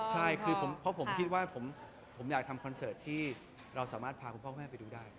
ใช่คือเพราะผมคิดว่าผมอยากทำคอนเสิร์ตที่เราสามารถพาคุณพ่อแม่ไปดูได้